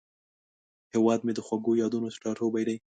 هیواد مې د خوږو یادونو ټاټوبی دی